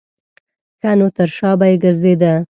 نو تر شا به یې ګرځېده.